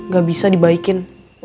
gak bisa dibaikin